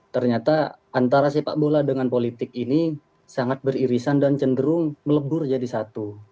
ternyata antara sepak bola dengan politik ini sangat beririsan dan cenderung melebur jadi satu